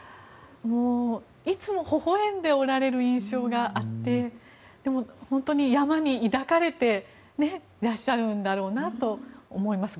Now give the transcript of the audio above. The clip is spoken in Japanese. いつもほほ笑んでおられる印象があってでも、本当に山に抱かれてらっしゃるんだろうなと思います。